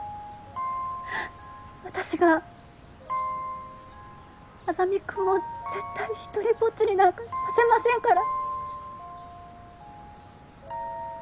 私が莇君を絶対に独りぼっちになんかさせませんから。